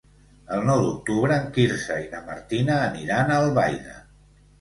El nou d'octubre en Quirze i na Martina aniran a Albaida.